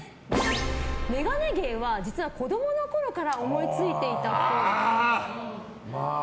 メガネ芸は実は子供のころから思いついていたっぽい。